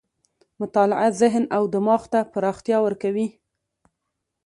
مطالعه ذهن او دماغ ته پراختیا ورکوي.